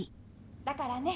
だからね